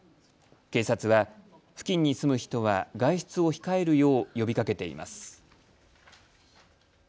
警察は付近に住む人は外出を控えるよう呼びかけています。